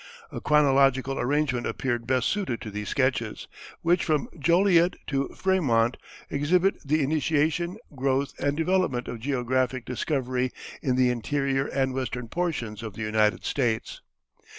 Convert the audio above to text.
A chronological arrangement appeared best suited to these sketches, which from Joliet to Frémont exhibit the initiation, growth, and development of geographic discovery in the interior and western portions of the United States.